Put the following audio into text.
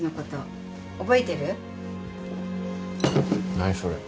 何それ？